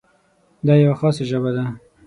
دا یوه خاصه ژبه ده.